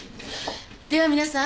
では皆さん。